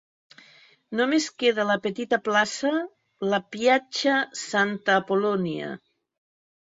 Només queda la petita plaça, la "Piazza Sant'Apollonia"